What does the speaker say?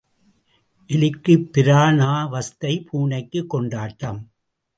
எலிக்குப் பிராணாவஸ்தை பூனைக்குக் கொண்டாட்டம்.